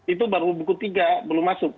itu baru buku tiga belum masuk